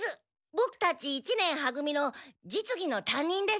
ボクたち一年は組の実技のたんにんです。